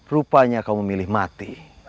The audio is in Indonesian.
rupanya kau memilih mati